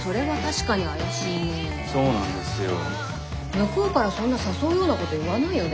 向こうからそんな誘うようなこと言わないよね